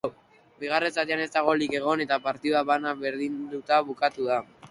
Bigarren zatian ez da golik egon eta partida bana berdinduta bukatu da.